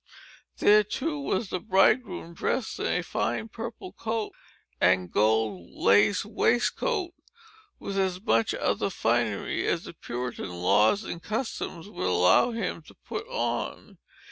There, too, was the bridegroom, dressed in a fine purple coat, and gold lace waistcoat, with as much other finery as the Puritan laws and customs would allow him to put on.